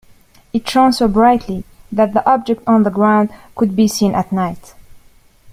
It shone so brightly that objects on the ground could be seen at night.